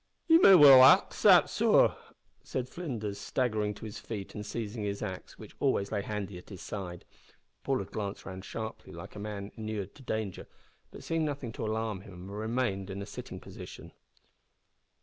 "Ye may well ax that, sor," said Flinders, staggering to his feet and seizing his axe, which always lay handy at his side. Paul had glanced round sharply, like a man inured to danger, but seeing nothing to alarm him, had remained in a sitting position.